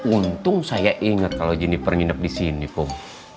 untung saya inget kalau juniper nginep disini kum